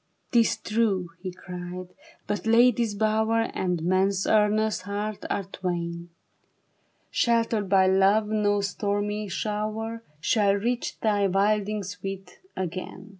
" 'Tis true," he cried, " but lady's bower And a man's earnest heart are twain : 109 J 10 THE BARRICADE. Sheltered by love, no stormy shower Shall reach thy wilding sweet, again."